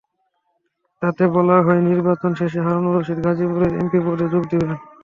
তাতে বলা হয়, নির্বাচন শেষে হারুনুর রশীদ গাজীপুরের এসপি পদে যোগ দেবেন।